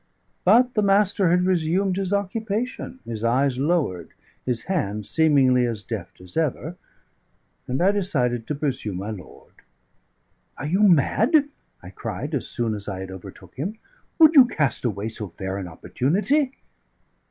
But the Master had resumed his occupation, his eyes lowered, his hand seemingly as deft as ever; and I decided to pursue my lord. "Are you mad?" I cried, so soon as I had overtook him. "Would you cast away so fair an opportunity?"